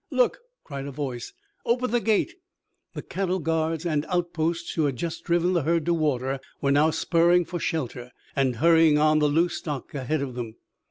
"Look!" cried a voice. "Open the gate!" The cattle guards and outposts who had just driven the herd to water were now spurring for shelter and hurrying on the loose stock ahead of them.